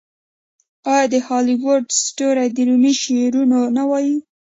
آیا د هالیووډ ستوري د رومي شعرونه نه وايي؟